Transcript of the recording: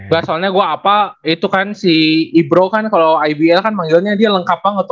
gak soalnya gue apa itu kan si ibro kan kalau ibl kan manggilnya dia lengkap banget